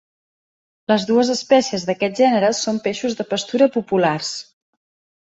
Les dues espècies d'aquest gènere són peixos de pastura populars.